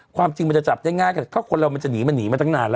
ความจริงมันจะจับได้ง่ายกับก็คนเลยมันจะหนีมาหนีมาตั้งนาน